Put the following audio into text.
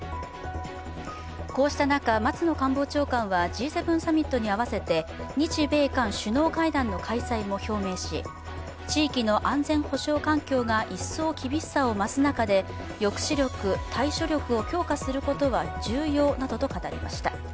こうした中、松野官房長官はＧ７サミットに合わせて日米韓首脳会談の開催も表明し地域の安全保障環境が一層厳しさを増す中で抑止力・対処力を強化することは重要などと語りました。